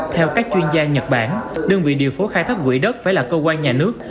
theo các chuyên gia nhật bản đơn vị điều phối khai thác quỹ đất phải là cơ quan nhà nước